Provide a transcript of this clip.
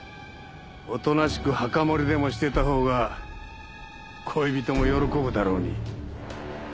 おとなしく墓守でもしていたほうが恋人も喜ぶだろうに。